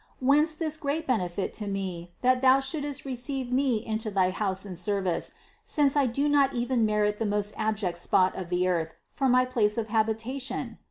Whence this great benefit to me, that Thou shouldst receive me into thy house and service, since I do not even merit the most ab ject spot of the earth for my place of habitation?